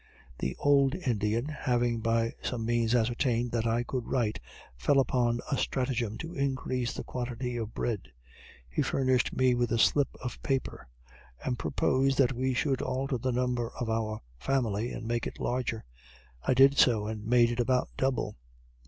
The old Indian, having by some means ascertained that I could write, fell upon a stratagem to increase the quantity of bread. He furnished me with a slip of paper, and proposed that we should alter the number of our family, and make it larger; I did so, and made it about double.